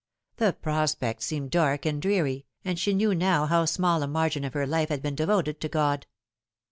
The prospect seemed dark and dreary, and she knew now how small a margin of her life had been devoted to God.